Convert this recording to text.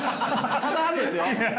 ただですよ。